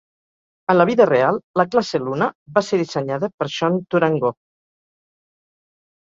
En la vida real, la classe "Luna" va ser dissenyada per Sean Tourangeau.